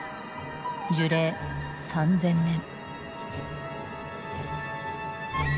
樹齢３，０００年。